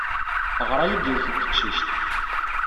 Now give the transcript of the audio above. Teɣra-iyi-d yiwet n teqcict.